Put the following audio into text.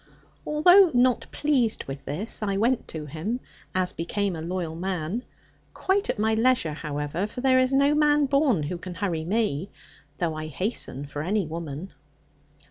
Although not pleased with this, I went to him, as became a loyal man; quite at my leisure, however, for there is no man born who can hurry me, though I hasten for any woman.